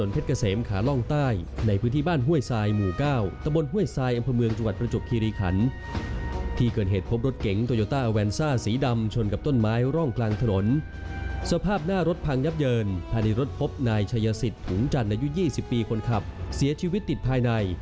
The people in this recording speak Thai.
พบนายชายสิทธิ์ถุงจันทร์อายุ๒๐ปีคนขับเสียชีวิตติดภายใน